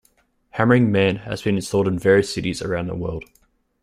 "Hammering Man" has been installed in various cities around the world.